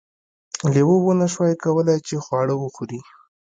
لیوه ونشوای کولی چې خواړه وخوري.